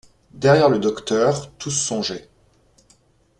Derrière le docteur tous songeaient.